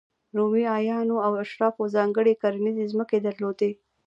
رومي اعیانو او اشرافو ځانګړې کرنیزې ځمکې درلودې.